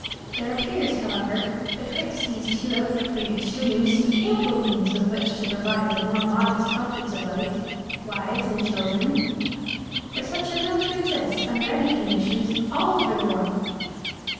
There appears, however, betwixt these two outcropping extremes to be ample means with which to provide the more modest comforts of life wives and children: for such are known to exist, under any conditions, all over the world.